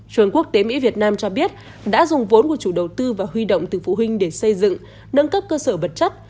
trường quốc tế mỹ việt nam cho biết đã dùng vốn của chủ đầu tư và huy động từ phụ huynh để xây dựng nâng cấp cơ sở vật chất